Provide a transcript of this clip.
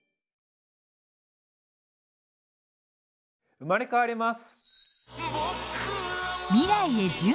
生まれ変わります！